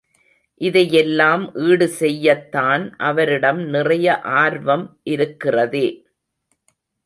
இதையெல்லாம் ஈடு செய்யத்தான் அவரிடம் நிறைய ஆர்வம் இருக்கிறதே.